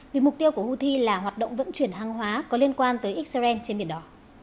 vì mục tiêu của houthi là hoạt động vận chuyển hàng hóa có liên quan tới israel trên biển đỏ